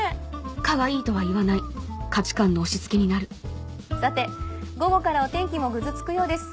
かわいいとは言わない価値観の押し付けになるさて午後からお天気もぐずつくようです。